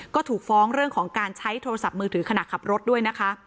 ก็ถูกฟ้องเรื่องของการใช้โทรศัพท์มือถือขณะขับรถด้วยนะคะ